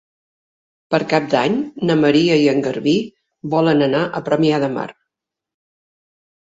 Per Cap d'Any na Maria i en Garbí volen anar a Premià de Mar.